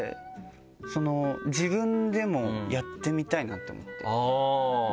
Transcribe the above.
自分でもやってみたいなって思って。